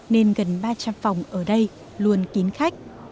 nên gần ba trăm linh phòng ở đây luôn kín khách